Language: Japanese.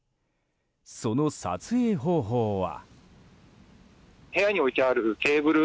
その撮影方法は。